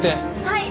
はい。